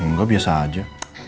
enggak biasa aja